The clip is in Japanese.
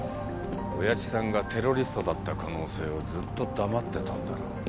親父さんがテロリストだった可能性をずっと黙ってたんだろ